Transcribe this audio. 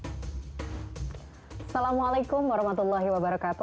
assalamualaikum warahmatullahi wabarakatuh